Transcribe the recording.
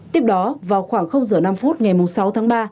tiếp đó vào khoảng h năm phút ngày sáu tháng ba